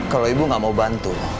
kalau ibu nggak mau bantu